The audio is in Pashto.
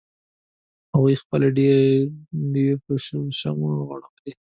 هغوی خپلې ډډې په شړشمو غوړولې